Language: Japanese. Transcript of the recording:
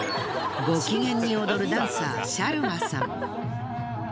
ご機嫌に踊るダンサーシャルマさん。